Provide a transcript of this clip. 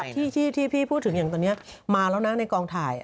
ที่นี่ระดับที่พี่พูดถึงอย่างตอนนี้มาแล้วนะในกองถ่าย